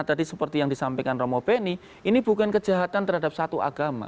karena tadi seperti yang disampaikan ramo beni ini bukan kejahatan terhadap satu agama